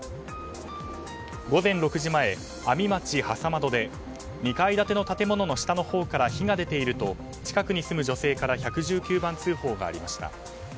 午前６時前、阿見町廻戸で２階建ての建物の下のほうから火が出ていると近くに住む女性から１１９番通報がありました。